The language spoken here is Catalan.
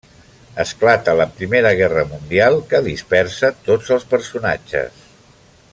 Esclata la Primera Guerra mundial, que dispersa tots els personatges.